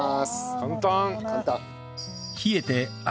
簡単。